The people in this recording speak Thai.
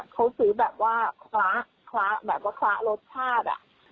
เขาซื้อแบบว่าคละแบบว่าคละรสชาติ